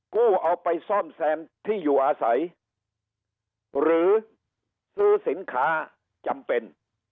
เอาไปซ่อมแซมที่อยู่อาศัยหรือซื้อสินค้าจำเป็น